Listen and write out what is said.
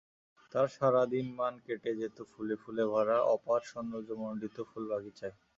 তার সারা দিনমান কেটে যেত ফুলে ফুলে ভরা অপার সৌন্দর্যমণ্ডিত ফুল বাগিচায়।